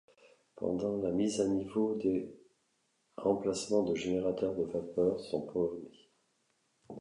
Pendant la mise à niveau, des remplacements de générateurs de vapeurs sont programmés.